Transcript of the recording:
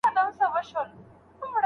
آیا سمندري کبان د سیند تر کبانو لوی دي؟